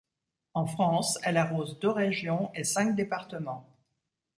En France, elle arrose deux régions et cinq départements.